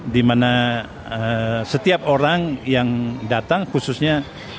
dimana setiap orang yang datang khususnya